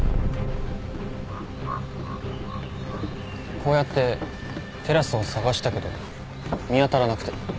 こうやってテラスを捜したけど見当たらなくて。